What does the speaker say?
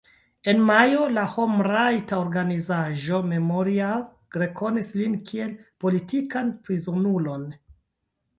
En majo la homrajta organizaĵo Memorial rekonis lin kiel politikan prizonulon.